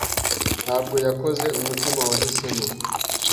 Ntabwo yakoze umutima Wahisemo